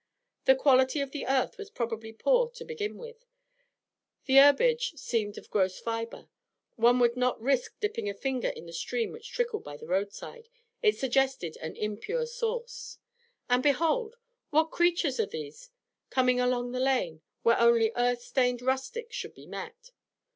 The quality of the earth was probably poor to begin with; the herbage seemed of gross fibre; one would not risk dipping a finger in the stream which trickled by the roadside, it suggested an impure source. And behold, what creatures are these coming along the lane, where only earth stained rustics should be met?